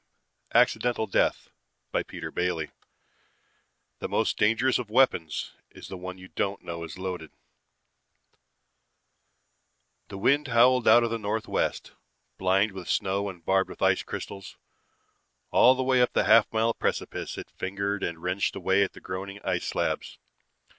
net ACCIDENTAL DEATH BY PETER BAILY The most dangerous of weapons is the one you don't know is loaded. Illustrated by Schoenherr The wind howled out of the northwest, blind with snow and barbed with ice crystals. All the way up the half mile precipice it fingered and wrenched away at groaning ice slabs.